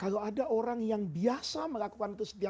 kalau ada orang yang biasa nih sholat tahajud itu tidak ada kodoknya